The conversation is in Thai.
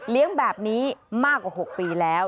เลี้ยงแบบนี้มากกว่า๖ปีแล้ว